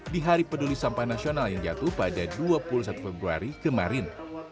di hari peduli sampah nasional yang jatuh pada dua puluh satu februari kemarin